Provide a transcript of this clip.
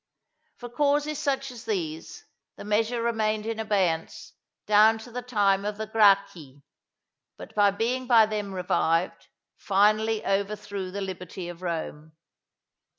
For causes such as these, the measure remained in abeyance down to the time of the Gracchi; but being by them revived, finally overthrew the liberty of Rome.